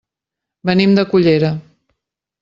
Venim de Cullera.